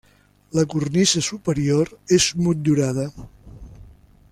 La cornisa superior és motllurada.